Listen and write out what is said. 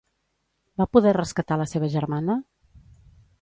Va poder rescatar la seva germana?